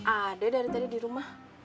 ada dari tadi di rumah